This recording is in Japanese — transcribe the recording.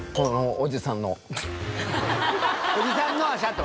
おじさんの足跡？